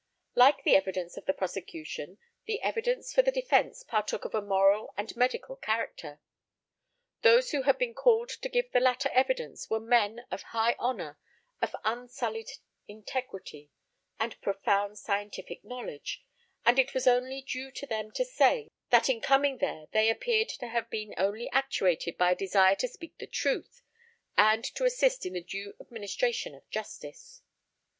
Like the evidence of the prosecution, the evidence for the defence partook of a moral and medical character. Those who had been called to give the latter evidence were men, of high honour, of unsullied integrity, and profound scientific knowledge, and it was only due to them to say, that in coming there they appeared to have been only actuated by a desire to speak the truth, and to assist in the due administration of justice.